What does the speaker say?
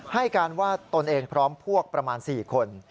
ให้การว่าตนเองพร้อมพวกประมาณ๔คน